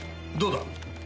どうだ？